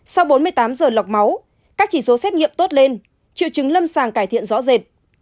sau bốn mươi tám giờ lọc máu các chỉ số xét nghiệm tốt lên triệu chứng lâm sàng cải thiện rõ rệt